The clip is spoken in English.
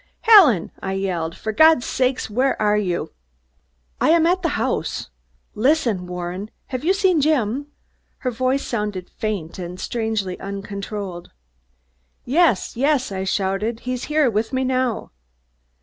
"Helen!" I yelled. "For God's sake, where are you?" "I am at the house. Listen, Warren! Have you seen Jim?" Her voice sounded faint and strangely uncontrolled. "Yes yes," I shouted. "He's here with me now."